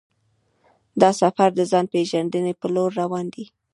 دا سفر د ځان پېژندنې پر لور روان دی.